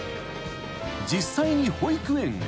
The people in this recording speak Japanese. ［実際に保育園へ］